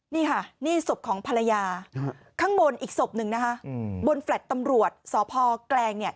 นี่ค่ะนี่ศพของภรรยาข้างบนอีกศพหนึ่งนะคะบนแฟลต์ตำรวจสพแกลงเนี่ย